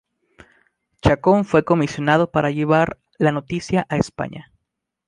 Chacón fue comisionado para llevar la noticia a España.